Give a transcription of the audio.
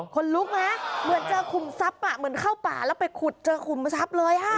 คนลุกไหมเหมือนเจอขุมทรัพย์เหมือนเข้าป่าแล้วไปขุดเจอขุมทรัพย์เลยค่ะ